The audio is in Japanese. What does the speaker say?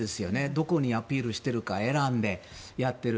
どこにアピールしているか選んでやっている。